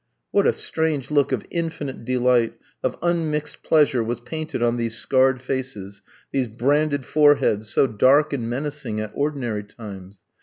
What a strange look of infinite delight, of unmixed pleasure, was painted on these scarred faces, these branded foreheads, so dark and menacing at ordinary times!